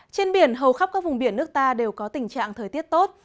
trên biển hầu khắp các vùng biển nước ta đều có tình trạng thời tiết tốt